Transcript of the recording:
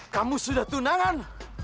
kamu sudah tunangan